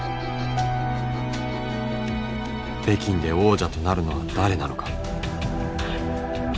北京で王者となるのは誰なのか。